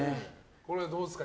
これはどうですか？